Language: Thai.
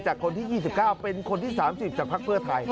คนที่๒๙เป็นคนที่๓๐จากภักดิ์เพื่อไทย